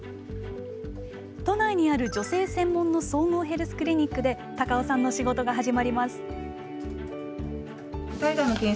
都内にある女性専門の総合ヘルスクリニックで高尾さんの仕事が始まります。